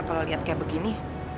kalau lihat kayak begini